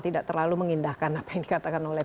tidak terlalu mengindahkan apa yang dikatakan oleh